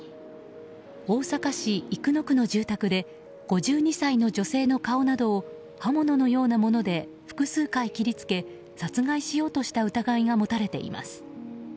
大阪市生野区の住宅で５２歳の女性の顔などを刃物のようなもので複数回、切り付け殺害しようとした疑いが持たれています。